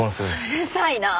うるさいな！